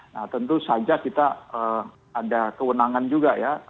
nah tentu saja kita ada kewenangan juga ya